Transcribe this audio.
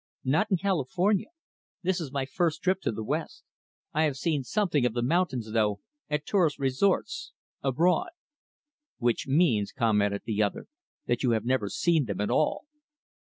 "Not in California. This is my first trip to the West. I have seen something of the mountains, though, at tourist resorts abroad." "Which means," commented the other, "that you have never seen them at all."